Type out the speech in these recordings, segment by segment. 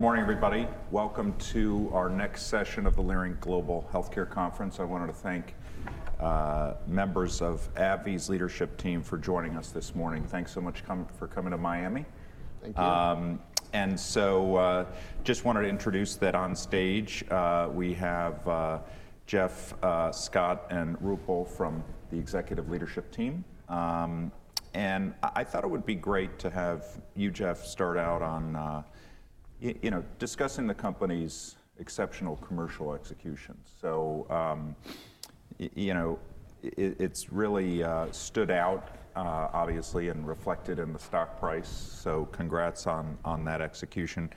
Morning, everybody. Welcome to our next session of the Leerink Global Healthcare Conference. I wanted to thank members of AbbVie's leadership team for joining us this morning. Thanks so much for coming to Miami. Thank you. I just wanted to introduce that on stage we have Jeff, Scott, and Roopal from the executive leadership team. I thought it would be great to have you, Jeff, start out on discussing the company's exceptional commercial execution. It has really stood out, obviously, and reflected in the stock price. Congrats on that execution.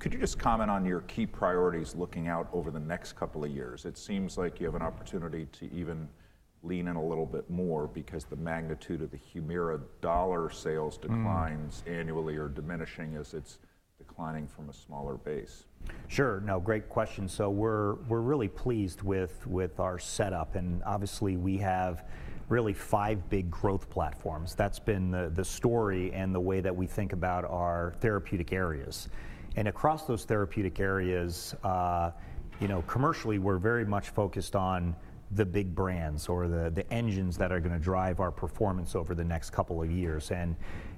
Could you just comment on your key priorities looking out over the next couple of years? It seems like you have an opportunity to even lean in a little bit more because the magnitude of the Humira dollar sales declines annually are diminishing as it's declining from a smaller base. Sure. No, great question. We're really pleased with our setup. Obviously, we have really five big growth platforms. That's been the story and the way that we think about our therapeutic areas. Across those therapeutic areas, commercially, we're very much focused on the big brands or the engines that are going to drive our performance over the next couple of years.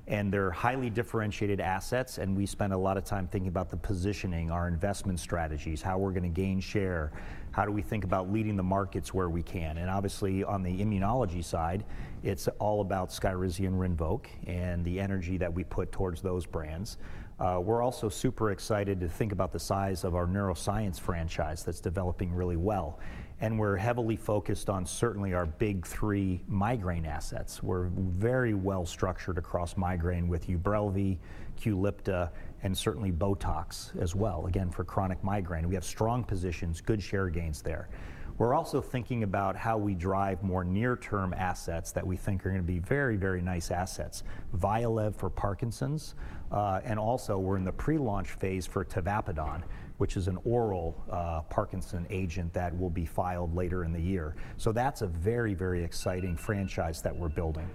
They're highly differentiated assets. We spend a lot of time thinking about the positioning, our investment strategies, how we're going to gain share, how do we think about leading the markets where we can. Obviously, on the immunology side, it's all about Skyrizi and Rinvoq and the energy that we put towards those brands. We're also super excited to think about the size of our neuroscience franchise that's developing really well. We're heavily focused on, certainly, our big three migraine assets. We're very well structured across migraine with Ubrelvy, Qulipta, and certainly Botox as well, again, for chronic migraine. We have strong positions, good share gains there. We're also thinking about how we drive more near-term assets that we think are going to be very, very nice assets, Vyalev for Parkinson's. Also, we're in the pre-launch phase for tavapadon, which is an oral Parkinson agent that will be filed later in the year. That's a very, very exciting franchise that we're building.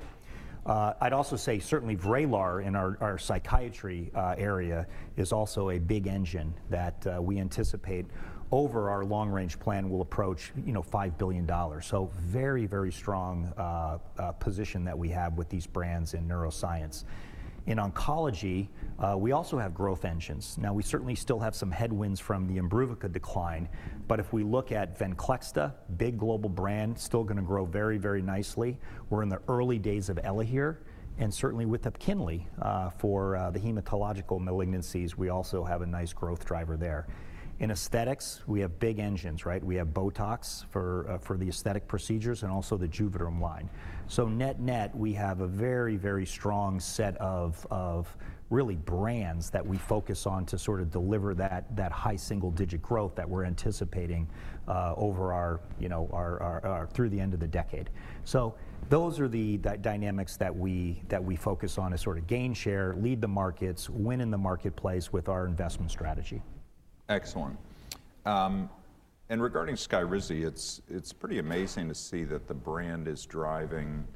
I'd also say, certainly, Vraylar in our psychiatry area is also a big engine that we anticipate over our long-range plan will approach $5 billion. Very, very strong position that we have with these brands in neuroscience. In oncology, we also have growth engines. Now, we certainly still have some headwinds from the Imbruvica decline. If we look at Venclexta, big global brand, still going to grow very, very nicely. We're in the early days of Elahere, and certainly with Epkinly for the hematological malignancies, we also have a nice growth driver there. In aesthetics, we have big engines, right? We have Botox for the aesthetic procedures and also the Juvéderm line. Net-net, we have a very, very strong set of really brands that we focus on to sort of deliver that high single-digit growth that we're anticipating over through the end of the decade. Those are the dynamics that we focus on to sort of gain share, lead the markets, win in the marketplace with our investment strategy. Excellent. Regarding Skyrizi, it's pretty amazing to see that the brand is driving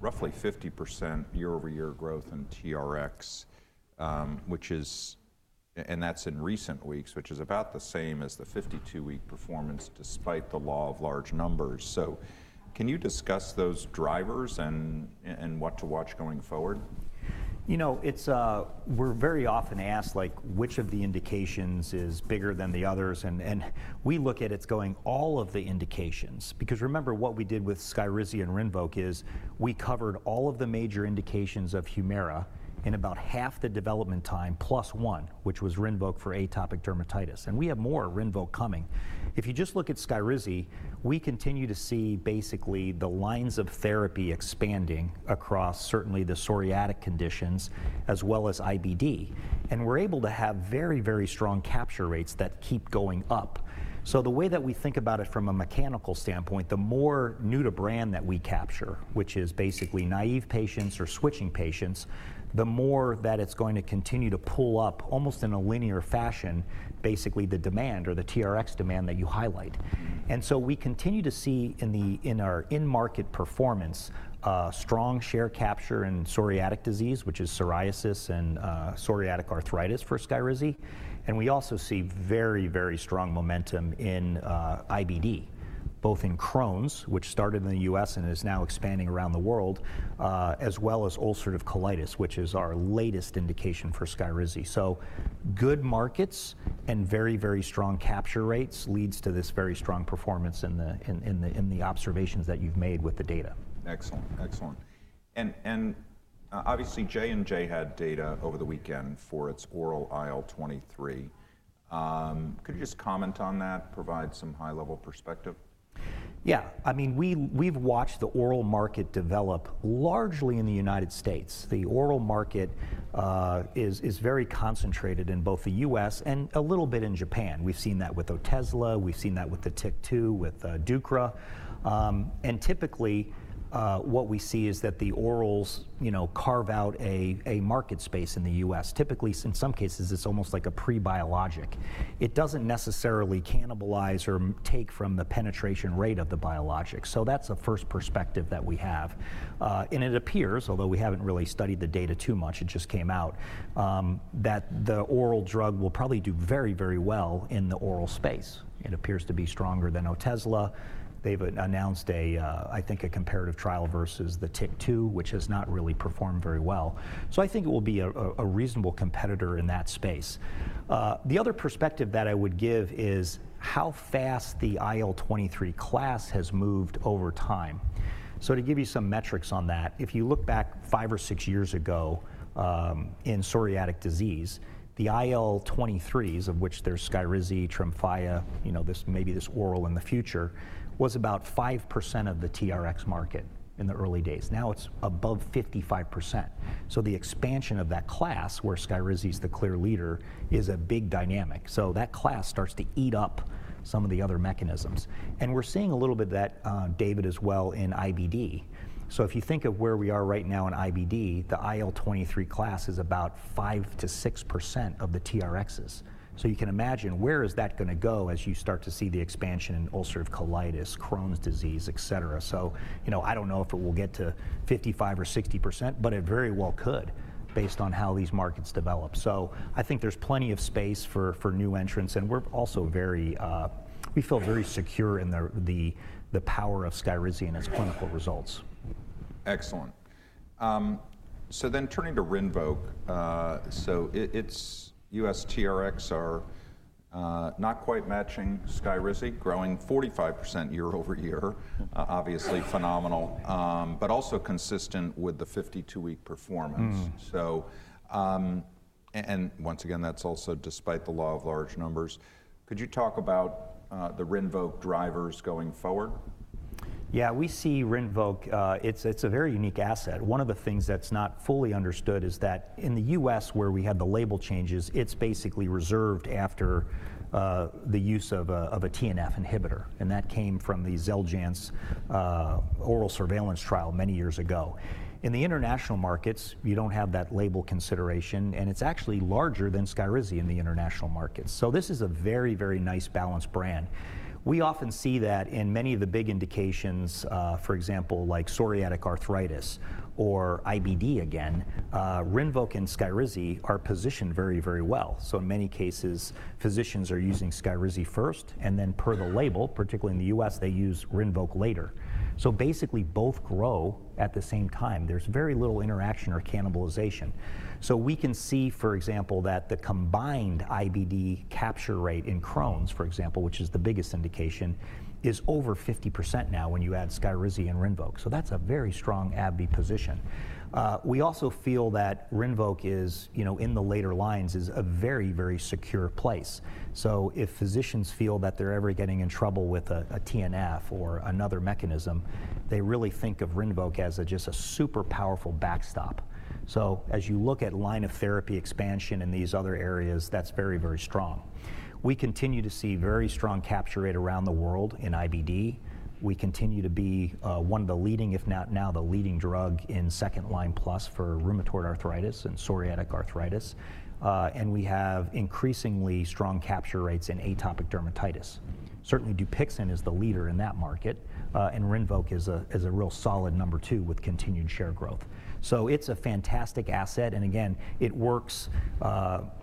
roughly 50% year-over-year growth in TRx, which is, and that's in recent weeks, which is about the same as the 52-week performance despite the law of large numbers. Can you discuss those drivers and what to watch going forward? You know, we're very often asked, like, which of the indications is bigger than the others. We look at it as going all of the indications. Because remember what we did with Skyrizi and Rinvoq is we covered all of the major indications of Humira in about half the development time, plus one, which was Rinvoq for atopic dermatitis. We have more Rinvoq coming. If you just look at Skyrizi, we continue to see basically the lines of therapy expanding across certainly the psoriatic conditions as well as IBD. We're able to have very, very strong capture rates that keep going up. The way that we think about it from a mechanical standpoint, the more new to brand that we capture, which is basically naive patients or switching patients, the more that it's going to continue to pull up almost in a linear fashion, basically the demand or the TRX demand that you highlight. We continue to see in our in-market performance strong share capture in psoriatic disease, which is psoriasis and psoriatic arthritis for Skyrizi. We also see very, very strong momentum in IBD, both in Crohn's, which started in the U.S. and is now expanding around the world, as well as ulcerative colitis, which is our latest indication for Skyrizi. Good markets and very, very strong capture rates leads to this very strong performance in the observations that you've made with the data. Excellent. Excellent. Obviously, J&J had data over the weekend for its oral IL-23. Could you just comment on that, provide some high-level perspective? Yeah. I mean, we've watched the oral market develop largely in the United States. The oral market is very concentrated in both the U.S. and a little bit in Japan. We've seen that with Otezla. We've seen that with the TYK2, with deucravacitinib. Typically, what we see is that the orals carve out a market space in the U.S. Typically, in some cases, it's almost like a pre-biologic. It doesn't necessarily cannibalize or take from the penetration rate of the biologic. That's a first perspective that we have. It appears, although we haven't really studied the data too much, it just came out, that the oral drug will probably do very, very well in the oral space. It appears to be stronger than Otezla. They've announced, I think, a comparative trial versus the TYK2, which has not really performed very well. I think it will be a reasonable competitor in that space. The other perspective that I would give is how fast the IL-23 class has moved over time. To give you some metrics on that, if you look back five or six years ago in psoriatic disease, the IL-23s, of which there's Skyrizi, Tremfya, maybe this oral in the future, was about 5% of the TRX market in the early days. Now it's above 55%. The expansion of that class, where Skyrizi is the clear leader, is a big dynamic. That class starts to eat up some of the other mechanisms. We're seeing a little bit of that, David, as well in IBD. If you think of where we are right now in IBD, the IL-23 class is about 5% to 6% of the TRXs. You can imagine where is that going to go as you start to see the expansion in ulcerative colitis, Crohn's disease, et cetera. I don't know if it will get to 55% or 60%, but it very well could based on how these markets develop. I think there's plenty of space for new entrants. We also feel very secure in the power of Skyrizi and its clinical results. Excellent. Turning to Rinvoq. Its U.S. TRX are not quite matching Skyrizi, growing 45% year over year, obviously phenomenal, but also consistent with the 52-week performance. Once again, that's also despite the law of large numbers. Could you talk about the Rinvoq drivers going forward? Yeah. We see Rinvoq, it's a very unique asset. One of the things that's not fully understood is that in the U.S., where we had the label changes, it's basically reserved after the use of a TNF inhibitor. That came from the Xeljanz oral surveillance trial many years ago. In the international markets, we don't have that label consideration. It's actually larger than Skyrizi in the international markets. This is a very, very nice balanced brand. We often see that in many of the big indications, for example, like psoriatic arthritis or IBD, again, Rinvoq and Skyrizi are positioned very, very well. In many cases, physicians are using Skyrizi first. Then per the label, particularly in the U.S., they use Rinvoq later. Basically, both grow at the same time. There's very little interaction or cannibalization. We can see, for example, that the combined IBD capture rate in Crohn's, for example, which is the biggest indication, is over 50% now when you add Skyrizi and Rinvoq. That is a very strong AbbVie position. We also feel that Rinvoq is in the later lines in a very, very secure place. If physicians feel that they are ever getting in trouble with a TNF or another mechanism, they really think of Rinvoq as just a super powerful backstop. As you look at line of therapy expansion in these other areas, that is very, very strong. We continue to see very strong capture rate around the world in IBD. We continue to be one of the leading, if not now the leading drug in second line plus for rheumatoid arthritis and psoriatic arthritis. We have increasingly strong capture rates in atopic dermatitis. Certainly, Dupixent is the leader in that market. Rinvoq is a real solid number two with continued share growth. It is a fantastic asset. Again, it works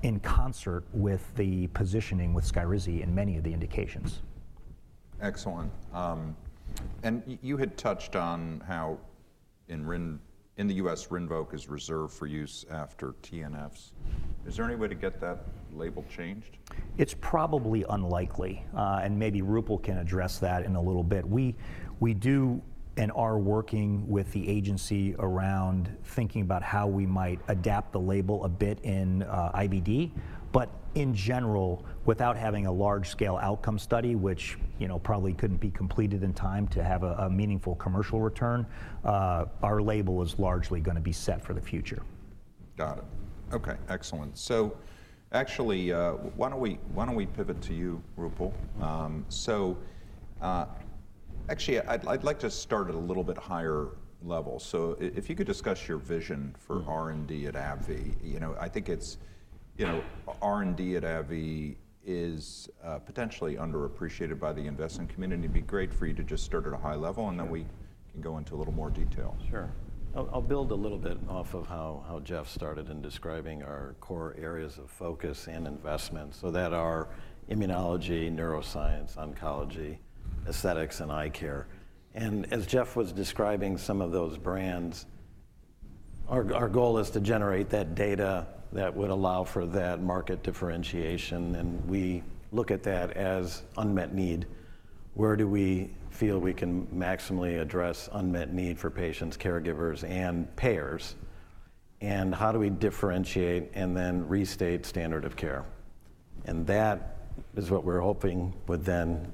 in concert with the positioning with Skyrizi in many of the indications. Excellent. You had touched on how in the U.S., Rinvoq is reserved for use after TNFs. Is there any way to get that label changed? It's probably unlikely. Maybe Roopal can address that in a little bit. We do and are working with the agency around thinking about how we might adapt the label a bit in IBD. In general, without having a large-scale outcome study, which probably couldn't be completed in time to have a meaningful commercial return, our label is largely going to be set for the future. Got it. OK, excellent. Actually, why don't we pivot to you, Roopal? Actually, I'd like to start at a little bit higher level. If you could discuss your vision for R&D at AbbVie, I think R&D at AbbVie is potentially underappreciated by the investment community. It'd be great for you to just start at a high level and then we can go into a little more detail. Sure. I'll build a little bit off of how Jeff started in describing our core areas of focus and investment. That are immunology, neuroscience, oncology, aesthetics, and eye care. As Jeff was describing some of those brands, our goal is to generate that data that would allow for that market differentiation. We look at that as unmet need. Where do we feel we can maximally address unmet need for patients, caregivers, and payers? How do we differentiate and then restate standard of care? That is what we're hoping would then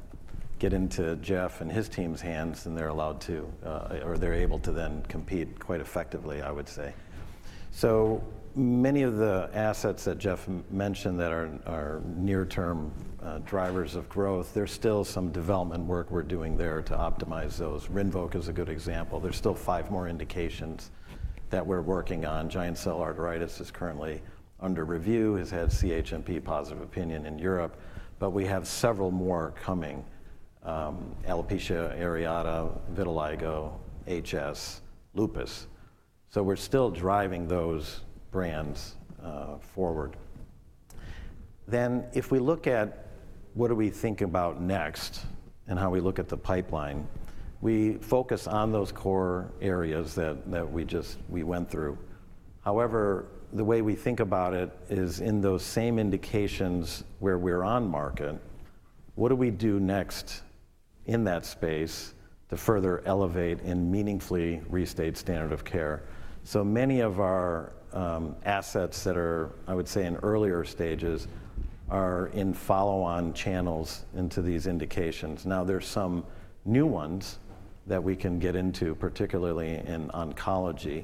get into Jeff and his team's hands, and they're allowed to, or they're able to then compete quite effectively, I would say. Many of the assets that Jeff mentioned that are near-term drivers of growth, there's still some development work we're doing there to optimize those. Rinvoq is a good example. There's still five more indications that we're working on. Giant cell arteritis is currently under review, has had CHMP positive opinion in Europe. We have several more coming: alopecia areata, vitiligo, HS, lupus. We are still driving those brands forward. If we look at what do we think about next and how we look at the pipeline, we focus on those core areas that we went through. However, the way we think about it is in those same indications where we're on market, what do we do next in that space to further elevate and meaningfully restate standard of care? Many of our assets that are, I would say, in earlier stages are in follow-on channels into these indications. There are some new ones that we can get into, particularly in oncology.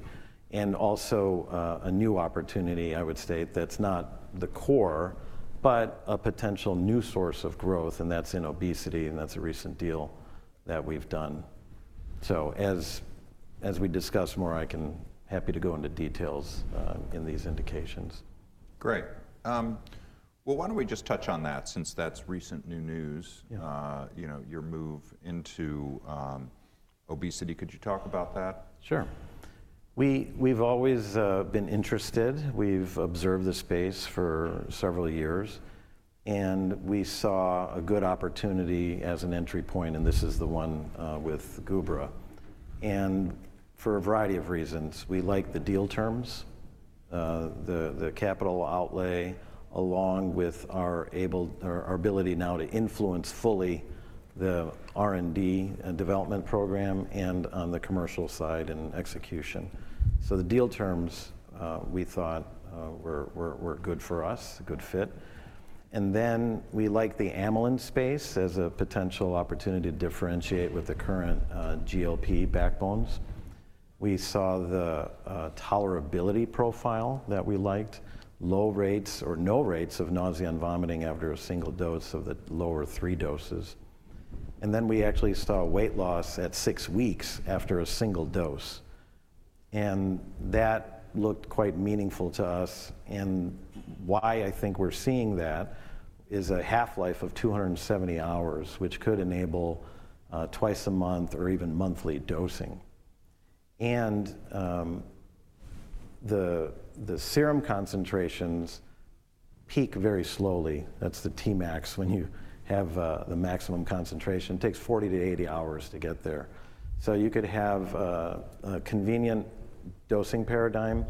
Also a new opportunity, I would state, that's not the core, but a potential new source of growth. That's in obesity and that's a recent deal that we've done. As we discuss more, I can happy to go into details in these indications. Great. Why don't we just touch on that since that's recent new news, your move into obesity? Could you talk about that? Sure. We've always been interested. We've observed the space for several years. We saw a good opportunity as an entry point. This is the one with Gubra. For a variety of reasons, we like the deal terms, the capital outlay, along with our ability now to influence fully the R&D development program and on the commercial side and execution. The deal terms we thought were good for us, a good fit. We like the amylin space as a potential opportunity to differentiate with the current GLP backbones. We saw the tolerability profile that we liked, low rates or no rates of nausea and vomiting after a single dose of the lower three doses. We actually saw weight loss at six weeks after a single dose. That looked quite meaningful to us. Why I think we're seeing that is a half-life of 270 hours, which could enable twice a month or even monthly dosing. The serum concentrations peak very slowly. That's the T-max when you have the maximum concentration. It takes 40 hours to 80 hours to get there. You could have a convenient dosing paradigm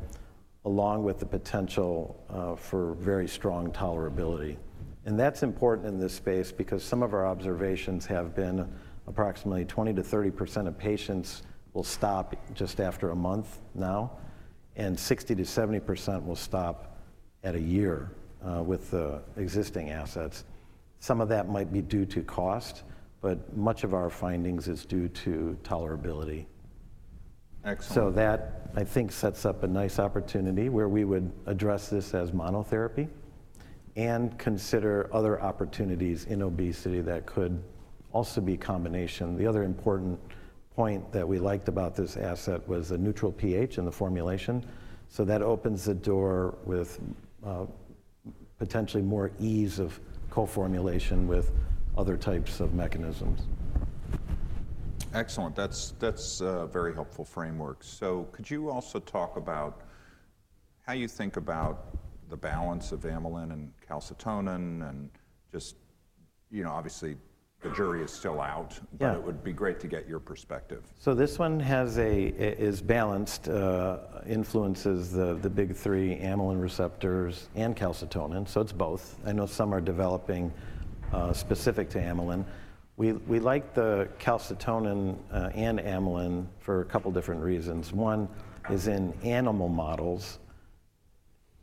along with the potential for very strong tolerability. That's important in this space because some of our observations have been approximately 20% to 30% of patients will stop just after a month now. 60% to 70% will stop at a year with the existing assets. Some of that might be due to cost, but much of our findings is due to tolerability. Excellent. I think that sets up a nice opportunity where we would address this as monotherapy and consider other opportunities in obesity that could also be a combination. The other important point that we liked about this asset was the neutral pH in the formulation. That opens the door with potentially more ease of co-formulation with other types of mechanisms. Excellent. That's a very helpful framework. Could you also talk about how you think about the balance of amylin and calcitonin? Obviously, the jury is still out. It would be great to get your perspective. This one is balanced influences, the big three amylin receptors and calcitonin. It is both. I know some are developing specific to amylin. We like the calcitonin and amylin for a couple of different reasons. One is in animal models,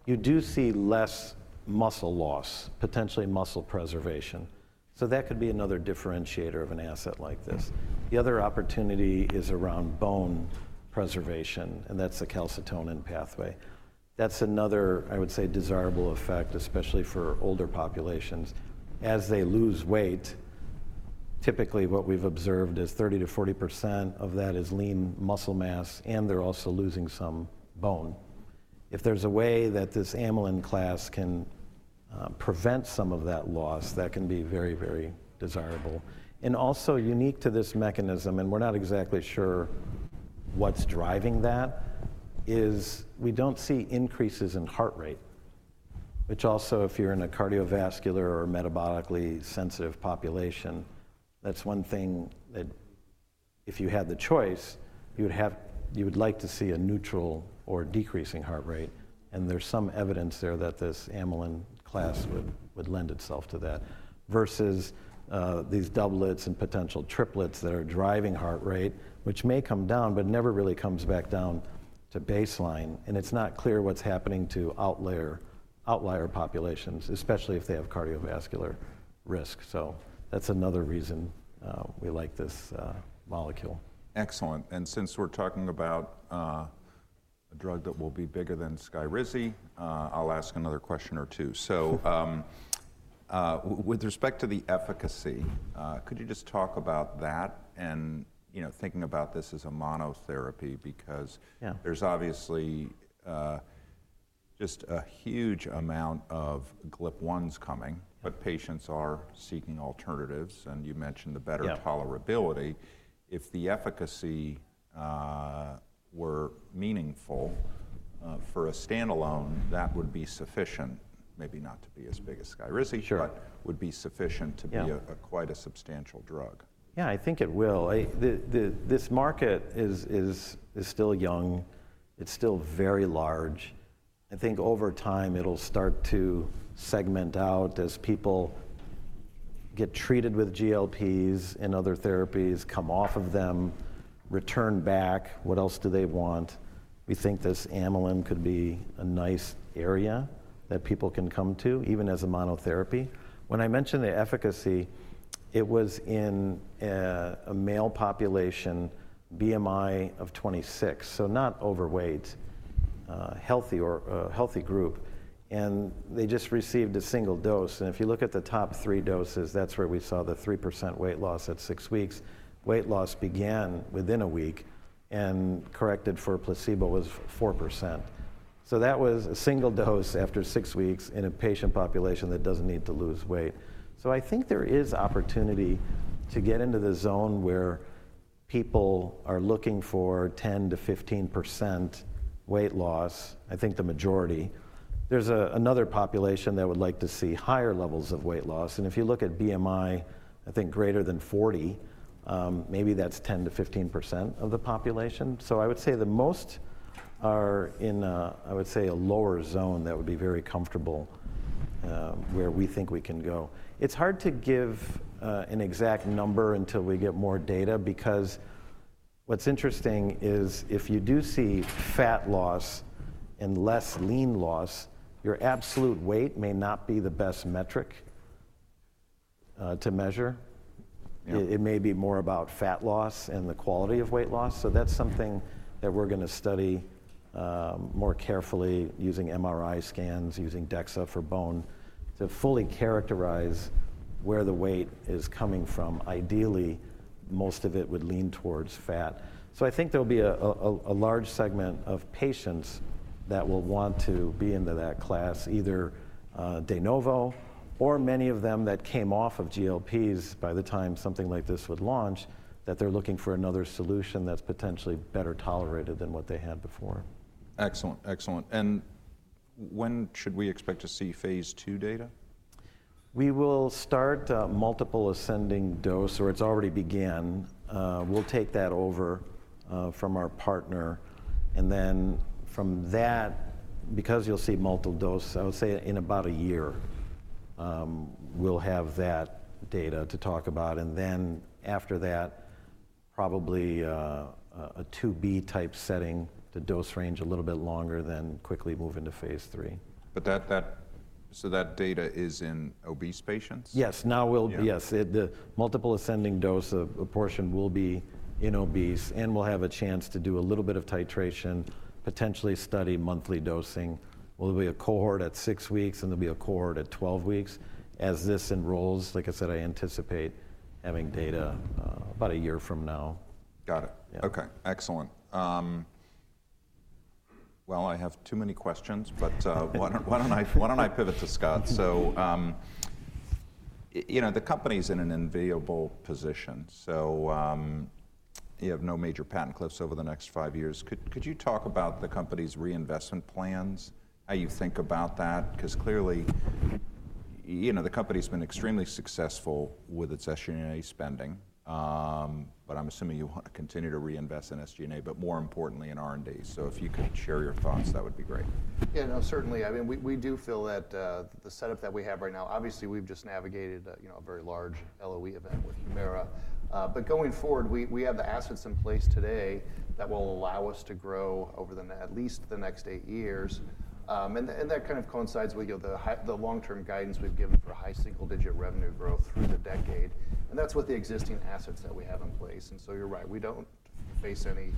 you do see less muscle loss, potentially muscle preservation. That could be another differentiator of an asset like this. The other opportunity is around bone preservation. That is the calcitonin pathway. That is another, I would say, desirable effect, especially for older populations. As they lose weight, typically what we have observed is 30% to 40% of that is lean muscle mass. They are also losing some bone. If there is a way that this amylin class can prevent some of that loss, that can be very, very desirable. Also unique to this mechanism, and we are not exactly sure what is driving that, is we do not see increases in heart rate. Which also, if you're in a cardiovascular or metabolically sensitive population, that's one thing that if you had the choice, you would like to see a neutral or decreasing heart rate. There's some evidence there that this amylin class would lend itself to that versus these doublets and potential triplets that are driving heart rate, which may come down, but never really comes back down to baseline. It's not clear what's happening to outlier populations, especially if they have cardiovascular risk. That's another reason we like this molecule. Excellent. Since we're talking about a drug that will be bigger than Skyrizi, I'll ask another question or two. With respect to the efficacy, could you just talk about that and thinking about this as a monotherapy? There's obviously just a huge amount of GLP-1s coming. Patients are seeking alternatives. You mentioned the better tolerability. If the efficacy were meaningful for a standalone, that would be sufficient, maybe not to be as big as Skyrizi, but would be sufficient to be quite a substantial drug. Yeah, I think it will. This market is still young. It's still very large. I think over time, it'll start to segment out as people get treated with GLPs and other therapies, come off of them, return back. What else do they want? We think this amylin could be a nice area that people can come to, even as a monotherapy. When I mentioned the efficacy, it was in a male population, BMI of 26. So not overweight, healthy group. They just received a single dose. If you look at the top three doses, that's where we saw the 3% weight loss at six weeks. Weight loss began within a week. Corrected for placebo was 4%. That was a single dose after six weeks in a patient population that doesn't need to lose weight. I think there is opportunity to get into the zone where people are looking for 10% to 15% weight loss, I think the majority. There's another population that would like to see higher levels of weight loss. If you look at BMI, I think greater than 40, maybe that's 10% to 15% of the population. I would say the most are in, I would say, a lower zone that would be very comfortable where we think we can go. It's hard to give an exact number until we get more data. Because what's interesting is if you do see fat loss and less lean loss, your absolute weight may not be the best metric to measure. It may be more about fat loss and the quality of weight loss. That is something that we're going to study more carefully using MRI scans, using DEXA for bone to fully characterize where the weight is coming from. Ideally, most of it would lean towards fat. I think there will be a large segment of patients that will want to be into that class, either De Novo or many of them that came off of GLPs by the time something like this would launch, that they're looking for another solution that's potentially better tolerated than what they had before. Excellent, excellent. When should we expect to see phase two data? We will start multiple ascending dose, or it's already begun. We'll take that over from our partner. From that, because you'll see multiple doses, I would say in about a year, we'll have that data to talk about. After that, probably a 2B type setting to dose range a little bit longer, then quickly move into phase three. That data is in obese patients? Yes, now it will, yes, the multiple ascending dose portion will be in obese. And we'll have a chance to do a little bit of titration, potentially study monthly dosing. There'll be a cohort at six weeks. And there'll be a cohort at 12 weeks. As this enrolls, like I said, I anticipate having data about a year from now. Got it. OK, excellent. I have too many questions. Why don't I pivot to Scott? The company's in an unviable position. You have no major patent cliffs over the next five years. Could you talk about the company's reinvestment plans, how you think about that? Clearly, the company's been extremely successful with its essionary spending. I'm assuming you want to continue to reinvest in SG&A, but more importantly in R&D. If you could share your thoughts, that would be great. Yeah, no, certainly. I mean, we do feel that the setup that we have right now, obviously, we've just navigated a very large LOE event with Humira. Going forward, we have the assets in place today that will allow us to grow over at least the next eight years. That kind of coincides with the long-term guidance we've given for high single-digit revenue growth through the decade. That's with the existing assets that we have in place. You're right. We don't face any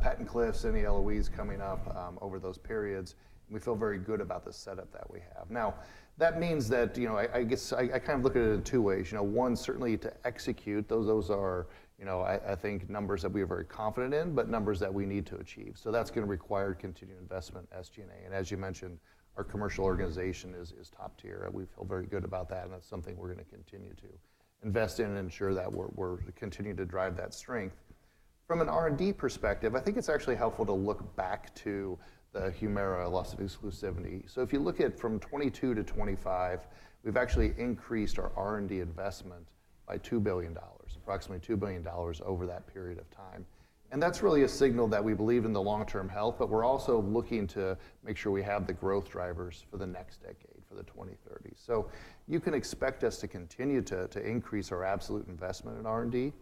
patent cliffs, any LOEs coming up over those periods. We feel very good about the setup that we have. That means that I kind of look at it in two ways. One, certainly to execute. Those are, I think, numbers that we are very confident in, but numbers that we need to achieve. That's going to require continued investment in SG&A. As you mentioned, our commercial organization is top tier. We feel very good about that. That's something we're going to continue to invest in and ensure that we're continuing to drive that strength. From an R&D perspective, I think it's actually helpful to look back to the Humira loss of exclusivity. If you look at from 2022 to 2025, we've actually increased our R&D investment by $2 billion, approximately $2 billion over that period of time. That's really a signal that we believe in the long-term health. We're also looking to make sure we have the growth drivers for the next decade, for the 2030s. You can expect us to continue to increase our absolute investment in R&D.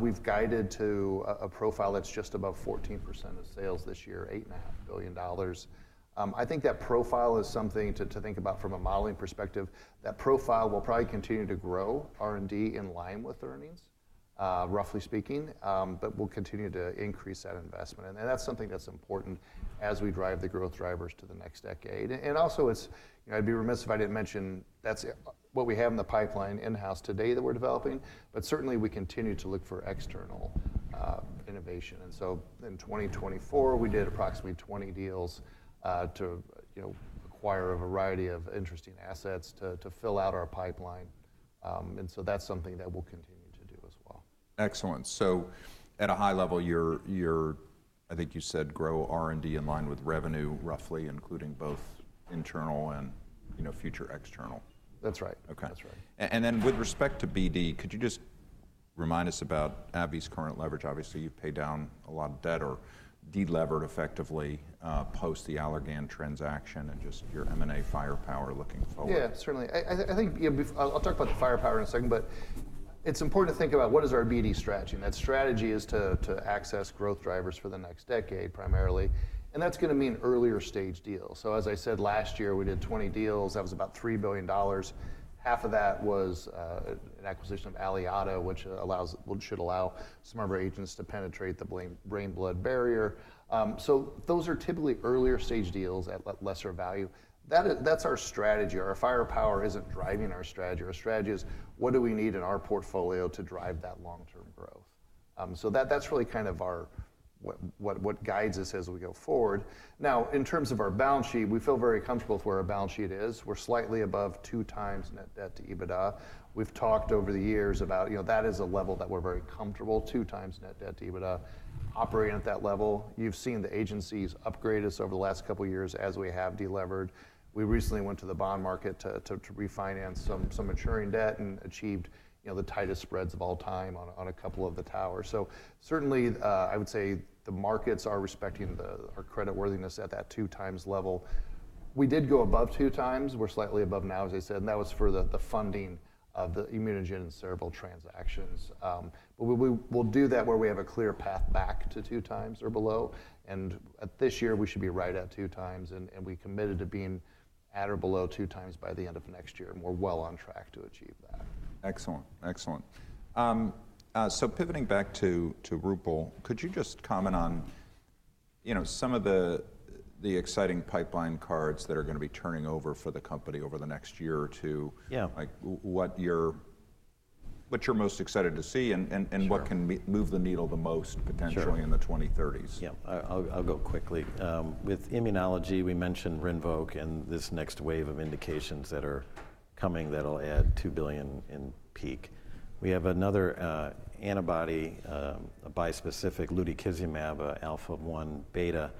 We've guided to a profile that's just above 14% of sales this year, $8.5 billion. I think that profile is something to think about from a modeling perspective. That profile will probably continue to grow R&D in line with earnings, roughly speaking. We will continue to increase that investment. That is something that is important as we drive the growth drivers to the next decade. I would be remiss if I did not mention that is what we have in the pipeline in-house today that we are developing. Certainly, we continue to look for external innovation. In 2024, we did approximately 20 deals to acquire a variety of interesting assets to fill out our pipeline. That is something that we will continue to do as well. Excellent. At a high level, I think you said grow R&D in line with revenue, roughly, including both internal and future external. That's right. With respect to BD, could you just remind us about AbbVie's current leverage? Obviously, you've paid down a lot of debt or de-levered effectively post the Allergan transaction and just your M&A firepower looking forward. Yeah, certainly. I think I'll talk about the firepower in a second. It is important to think about what is our BD strategy. That strategy is to access growth drivers for the next decade primarily. That is going to mean earlier stage deals. As I said last year, we did 20 deals. That was about $3 billion. Half of that was an acquisition of Aliada, which should allow some of our agents to penetrate the brain-blood barrier. Those are typically earlier stage deals at lesser value. That is our strategy. Our firepower is not driving our strategy. Our strategy is what do we need in our portfolio to drive that long-term growth. That is really kind of what guides us as we go forward. Now, in terms of our balance sheet, we feel very comfortable with where our balance sheet is. We're slightly above two times net debt to EBITDA. We've talked over the years about that is a level that we're very comfortable, two times net debt to EBITDA, operating at that level. You've seen the agencies upgrade us over the last couple of years as we have de-levered. We recently went to the bond market to refinance some maturing debt and achieved the tightest spreads of all time on a couple of the towers. Certainly, I would say the markets are respecting our creditworthiness at that two times level. We did go above two times. We're slightly above now, as I said. That was for the funding of the ImmunoGen and Cerevel transactions. We'll do that where we have a clear path back to two times or below. This year, we should be right at two times. We committed to being at or below two times by the end of next year. We are well on track to achieve that. Excellent, excellent. Pivoting back to Roopal, could you just comment on some of the exciting pipeline cards that are going to be turning over for the company over the next year or two? What you're most excited to see and what can move the needle the most potentially in the 2030s? Yeah, I'll go quickly. With immunology, we mentioned Rinvoq and this next wave of indications that are coming that'll add $2 billion in peak. We have another antibody, a bispecific, lutikizumab IL-1α/β,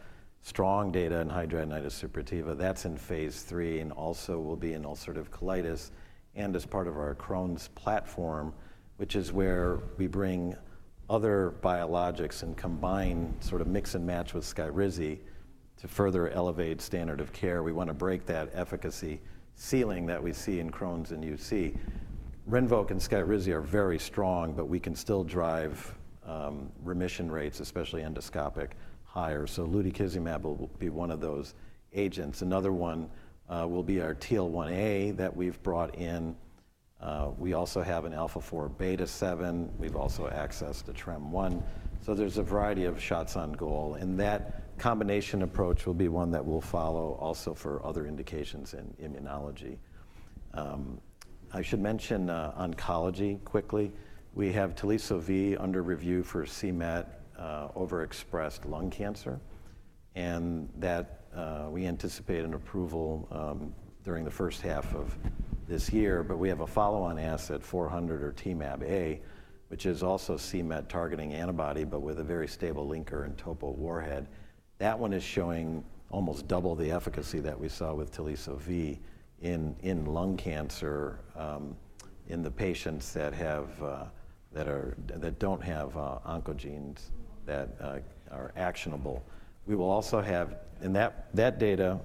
strong data in hidradenitis suppurativa. That's in phase three. Also, we'll be in ulcerative colitis. As part of our Crohn's platform, which is where we bring other biologics and combine sort of mix and match with Skyrizi to further elevate standard of care. We want to break that efficacy ceiling that we see in Crohn's and UC. Rinvoq and Skyrizi are very strong. We can still drive remission rates, especially endoscopic, higher. Lutechizumab will be one of those agents. Another one will be our TL1A that we've brought in. We also have an alpha 4β7. We've also accessed a Trem-1. There's a variety of shots on goal. That combination approach will be one that we'll follow also for other indications in immunology. I should mention oncology quickly. We have Teliso-V under review for c-Met overexpressed lung cancer. We anticipate an approval during the first half of this year. We have a follow-on asset, 400 or Temab-A, which is also a c-Mtargeting antibody but with a very stable linker and topo warhead. That one is showing almost double the efficacy that we saw with Teliso-V in lung cancer in the patients that don't have oncogenes that are actionable. We will also have that data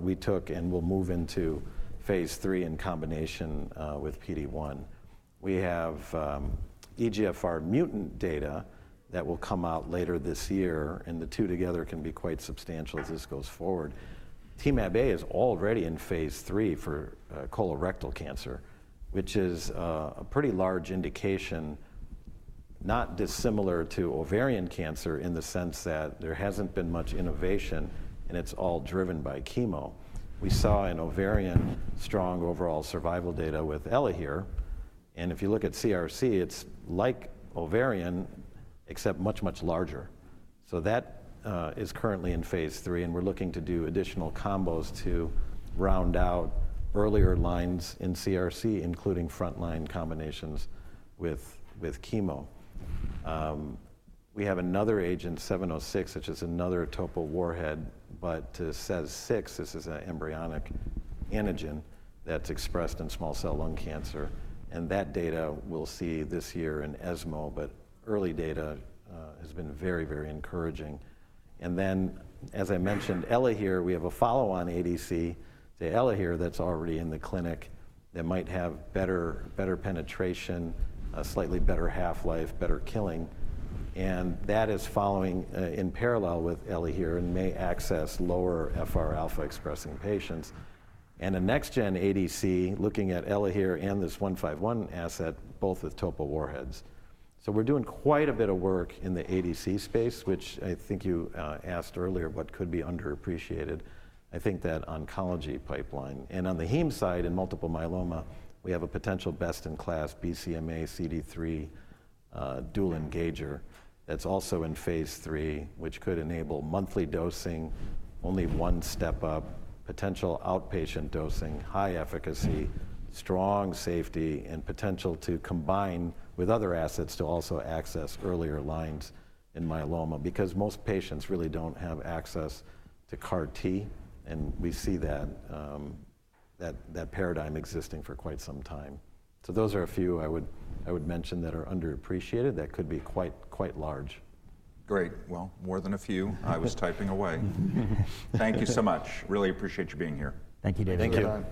we took and we'll move into phase three in combination with PD-1. We have EGFR mutant data that will come out later this year. The two together can be quite substantial as this goes forward. Temab-A is already in phase three for colorectal cancer, which is a pretty large indication, not dissimilar to ovarian cancer in the sense that there hasn't been much innovation. It is all driven by chemo. We saw in ovarian strong overall survival data with Elahere. If you look at CRC, it's like ovarian except much, much larger. That is currently in phase three. We are looking to do additional combos to round out earlier lines in CRC, including frontline combinations with chemo. We have another agent, 706, which is another topo warhead, but to SEZ6. This is an embryonic antigen that's expressed in small cell lung cancer. That data we'll see this year in ESMO. Early data has been very, very encouraging. As I mentioned, Elahere, we have a follow-on ADC to Elahere that's already in the clinic that might have better penetration, slightly better half-life, better killing. That is following in parallel with Elahere and may access lower FR alpha expressing patients. A next-gen ADC is looking at Elahere and this 151 asset, both with topo warheads. We are doing quite a bit of work in the ADC space, which I think you asked earlier what could be underappreciated. I think that oncology pipeline. On the heme side in multiple myeloma, we have a potential best in class BCMA CD3 dual engager that's also in phase three, which could enable monthly dosing, only one step up, potential outpatient dosing, high efficacy, strong safety, and potential to combine with other assets to also access earlier lines in myeloma. Most patients really do not have access to CAR-T. We see that paradigm existing for quite some time. Those are a few I would mention that are underappreciated that could be quite large. Great. More than a few. I was typing away. Thank you so much. Really appreciate you being here. Thank you, David. Thank you everyone.